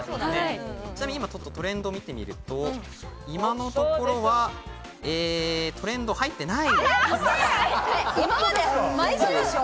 今ちょっとトレンドを見てみると今のところはトレンド入ってない。